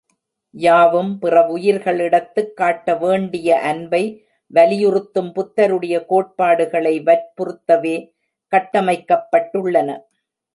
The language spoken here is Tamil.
யாவும் பிறவுயிர்களிடத்துக் காட்ட வேண்டிய அன்பை வலியுறுத்தும் புத்தருடைய கோட்பாடுகளை வற்புறுத்தவே கட்டமைக்கப் பட்டுள்ளன.